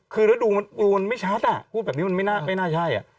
คือแล้วดูมันไม่ชัดอ่ะพูดแบบนี้มันไม่น่าใช่